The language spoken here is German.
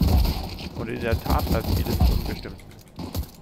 Und in der Tat bleibt vieles im Unbestimmten.